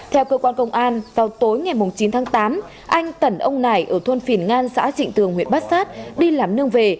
theo cơ quan công an vào tối ngày chín tháng tám anh tần ông này ở thôn phìn ngan xã trị tường huyện bát sát đi làm nương về